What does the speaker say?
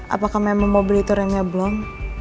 apakah memang mobil itu remnya belum